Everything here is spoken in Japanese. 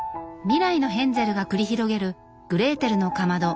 未来のヘンゼルが繰り広げる「グレーテルのかまど」